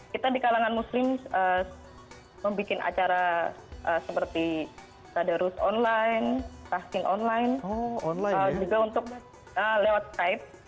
kita di kalangan muslim membuat acara seperti tadarus online testing online juga untuk lewat skype